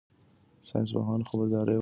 ساینس پوهان خبرداری ورکوي.